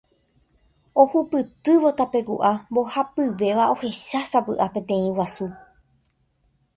Ohupytývo tapeku'a mbohapyvéva ohechásapy'a peteĩ guasu.